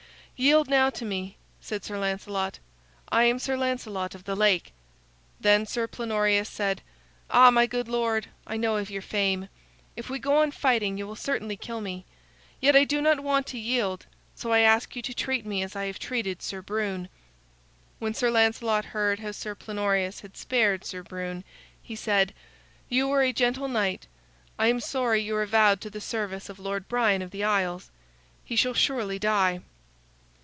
"Yield now to me," said Sir Lancelot. "I am Sir Lancelot of the Lake." Then Sir Plenorius said: "Ah, my good lord, I know of your fame. If we go on fighting, you will certainly kill me. Yet I do not want to yield, so I ask you to treat me as I have treated Sir Brune." When Sir Lancelot heard how Sir Plenorius had spared Sir Brune, he said: "You are a gentle knight. I am sorry you are vowed to the service of Lord Brian of the Isles. He shall surely die."